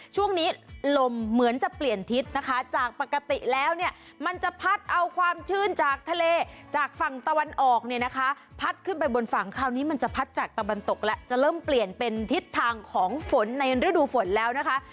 ช่วงนี้ลมเหมือนจะเปลี่ยนทิศนะคะจากปกติแล้วเนี่ยมันจะพัดเอาความชื่นจากทะเลจากฝั่งตะวันออกเนี่ยนะคะพัดขึ้นไปบนฝั่งคราวนี้มันจะพัดจากตะวันตกแล้วจะเริ่มเปลี่ยนเป็นทิศทางของฝนในฤดูฝนแล้วนะคะ